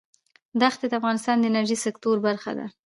دښتې د افغانستان د انرژۍ سکتور برخه ده.